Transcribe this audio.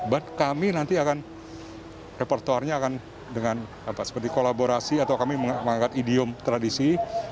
dan kami nanti akan repertuarnya akan dengan seperti kolaborasi atau kami mengangkat idiom tradisi